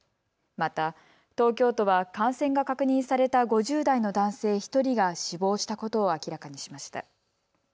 また、東京都は感染が確認された５０代の男性１人が死亡したことを明らかにしました。